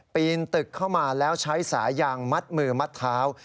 ปีนตึกเข้ามาแล้วใช้สายยางมัดมือมัดเท้า